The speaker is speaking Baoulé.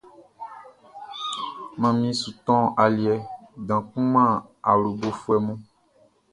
Manmi su tɔn aliɛ dan kun man awlobofuɛ mun.